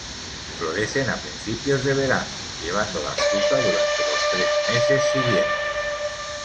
Florecen a principios de verano llevando la fruta durante los tres meses siguientes.